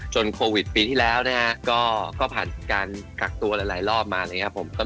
โควิดปีที่แล้วนะฮะก็ผ่านการกักตัวหลายรอบมาอะไรอย่างนี้ครับผม